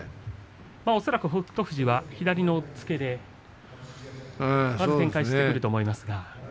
恐らく北勝富士は左の押っつけで展開してくると思いますが。